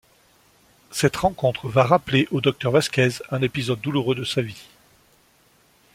Cette rencontre va rappeler au docteur Vasquez un épisode douloureux de sa vie.